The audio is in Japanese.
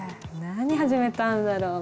何始めたんだろう。